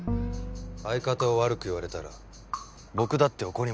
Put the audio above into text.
相方を悪く言われたら僕だって怒りますよ。